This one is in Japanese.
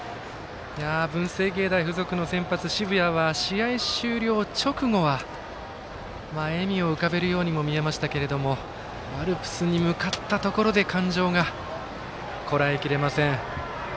文星芸大付属の先発、澁谷は試合終了直後は笑みを浮かべるように見えましたけどもアルプスに向かったところで感情がこらえきれません。